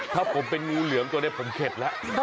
ถ้าผมเป็นงูเหลือมตัวนี้ผมเข็ดแล้ว